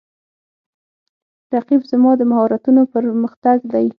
رقیب زما د مهارتونو پر مختګ دی